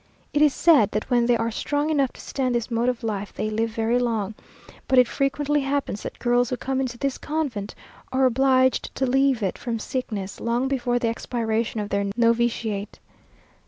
It is said, that when they are strong enough to stand this mode of life, they live very long; but it frequently happens that girls who come into this convent, are obliged to leave it from sickness, long before the expiration of their novitiate.